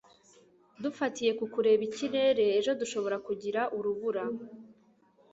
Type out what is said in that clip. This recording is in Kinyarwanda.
dufatiye ku kureba ikirere, ejo dushobora kugira urubura